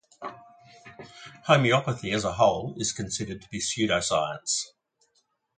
Homeopathy as a whole is considered to be pseudoscience.